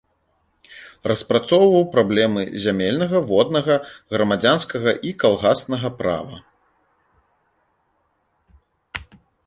Распрацоўваў праблемы зямельнага, воднага, грамадзянскага і калгаснага права.